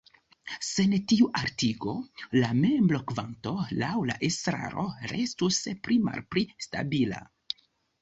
Sen tiu altigo, la membrokvanto laŭ la estraro restus pli-malpli stabila.